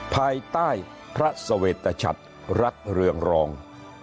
ภายใต้พระสเวตชัดรัฐเรืองรอง